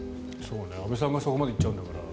安部さんがそこまで行っちゃうんだから。